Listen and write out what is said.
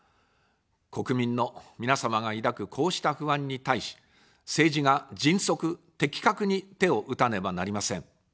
国民の皆様が抱くこうした不安に対し、政治が迅速、的確に手を打たねばなりません。